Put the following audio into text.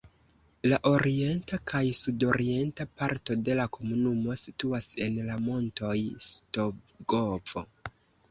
La orienta kaj sudorienta parto de la komunumo situas en la montoj Stogovo.